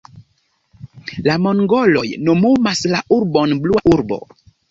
La mongoloj nomumas la urbon Blua urbo.